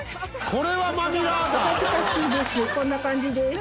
こんな感じです。